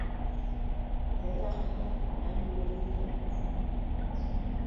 Kəlag hm a minlo mi ndoŋ !